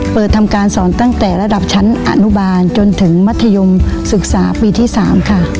เปิดทำการสอนตั้งแต่ระดับชั้นอนุบาลจนถึงมัธยมศึกษาปีที่๓ค่ะ